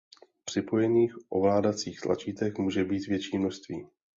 Připojených ovládacích tlačítek může být větší množství.